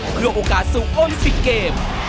เพื่อโอกาสสู่โอลิมปิกเกม